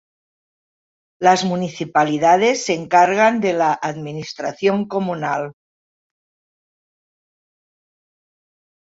Las municipalidades se encargan de la administración comunal.